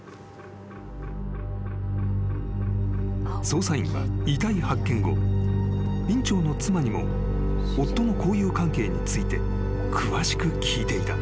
［捜査員は遺体発見後院長の妻にも夫の交友関係について詳しく聞いていた］